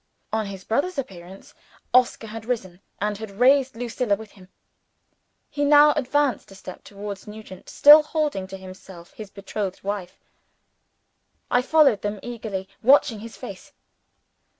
On his brother's appearance, Oscar had risen, and had raised Lucilla with him. He now advanced a step towards Nugent, still holding to him his betrothed wife. I followed them, eagerly watching his face.